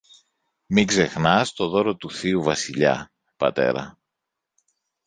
Μην ξεχνάς το δώρο του θείου Βασιλιά, πατέρα